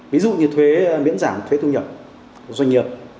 ví dụ như thuế miễn giảm thuế thu nhập của doanh nghiệp